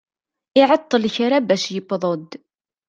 Iɛeṭṭel kra bac yewweḍ-d.